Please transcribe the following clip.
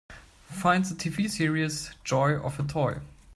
Find the TV series Joy Of A Toy